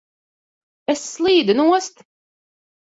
Es slīdu nost!